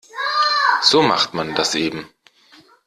So macht man das eben.